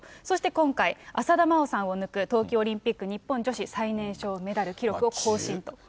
そして今回、浅田真央さんを抜く、冬季オリンピック女子最年少メダル記録を更新と。